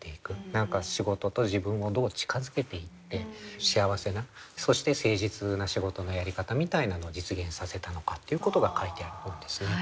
何か仕事と自分をどう近づけていって幸せなそして誠実な仕事のやり方みたいなのを実現させたのかっていうことが書いてある本ですね。